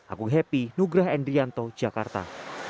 agung happy nugrah endrianto jakarta